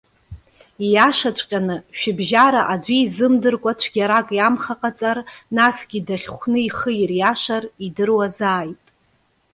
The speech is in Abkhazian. Иашаҵәҟьаны, шәыбжьара аӡәы изымдыркәа цәгьарак иамхаҟаҵар, насгьы дахьхәны ихы ириашар, идыруазааит.